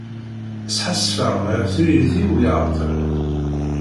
Sḥassfeɣ ɣef tririt-iw iɛeṭṭlen.